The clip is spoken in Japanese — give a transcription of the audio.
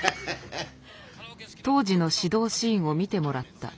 当時の指導シーンを見てもらった。